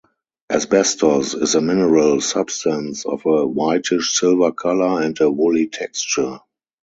Asbestos is a mineral substance of a whitish silver color and a woolly texture.